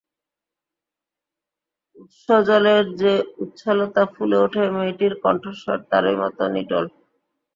উৎসজলের যে উচ্ছলতা ফুলে ওঠে, মেয়েটির কণ্ঠস্বর তারই মতো নিটোল।